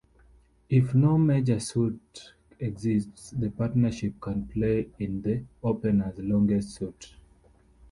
If no major suit exists, the partnership can play in the opener's longest suit.